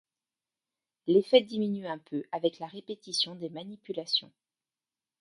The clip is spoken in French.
L'effet diminue un peu avec la répétition des manipulations.